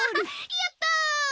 やった！